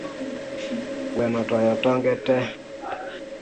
Gweno otoyo tong’ tee